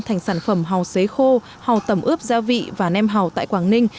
thành sản phẩm hầu xế khô hầu tẩm ướp gia vị và nem hầu tại quảng ninh